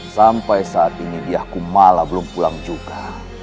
sampai saat ini diaku malah belum pulang juga